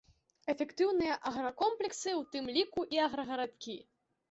Эфектыўныя агракомплексы, у тым ліку і аграгарадкі.